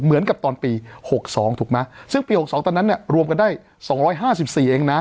เหมือนกับตอนปีหกสองถูกไหมซึ่งปีหกสองตอนนั้นเนี้ยรวมกันได้สองร้อยห้าสิบสี่เองนะ